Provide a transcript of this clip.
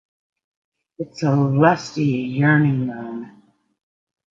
It's a lusty, yearning moan.